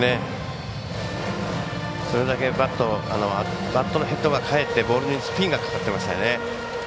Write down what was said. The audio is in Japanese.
それだけバットのヘッドがかえって、ボールにスピンがかかってましたよね。